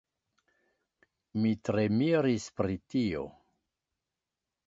Mi tre miris pri tio.